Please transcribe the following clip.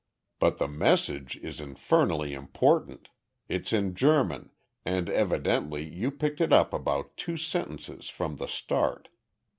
"But the message is infernally important. It's in German, and evidently you picked it up about two sentences from the start.